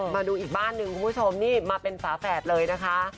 มาดูอีกบ้านนึงมาเป็นฝาแฝดเลยนะคะ